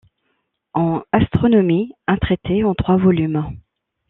En astronomie, un traité en trois volumes.